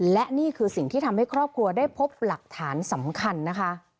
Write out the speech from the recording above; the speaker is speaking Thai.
และนี่คือสิ่งที่ทำให้ครอบครัวได้พบหลักฐานสำคัญนะคะ